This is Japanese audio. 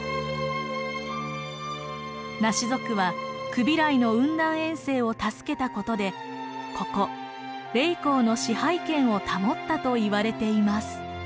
ナシ族はクビライの雲南遠征を助けたことでここ麗江の支配権を保ったといわれています。